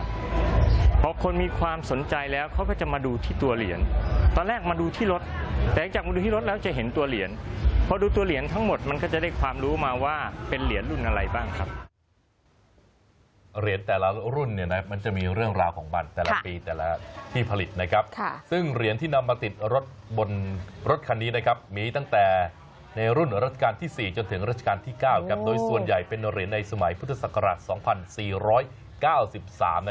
ก็เลยเอามาติดที่รถเพื่อเป็นการชักจูงให้คนมีความสนใจในชิ้นงานของศิลปะอย่างหนึ่งในฐานะที่เป็นการชักจูงให้คนมีความสนใจในชิ้นงานของศิลปะอย่างหนึ่งในฐานะที่เป็นการชักจูงให้คนมีความสนใจในชิ้นงานของศิลปะอย่างหนึ่งในฐานะที่เป็นการชักจูงให้คนมีความสนใจในชิ้นงานของศิลปะอย่างหน